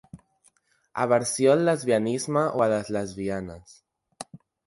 Aversió al lesbianisme o a les lesbianes.